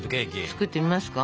作ってみますか？